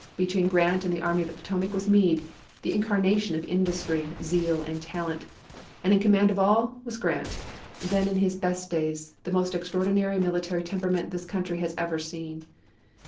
Between Grant and the Army of the Potomac was Meade, the incarnation of industry, 166 ABKAHAM LINCOLN chap. viii. zeal, and talent; and in command of all was Grant, then in his best days, the most extraordinary mili tary temperament this country has ever seen.